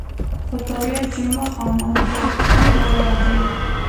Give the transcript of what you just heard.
خو تا ویل چې مخامخ در ته ولاړ دی!